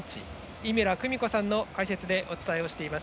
井村久美子さんの解説でお伝えしています。